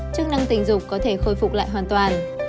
chức năng tình dục có thể khôi phục lại hoàn toàn